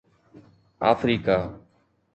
Africa